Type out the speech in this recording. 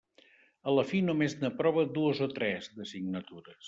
A la fi només n'aprove dues o tres, d'assignatures.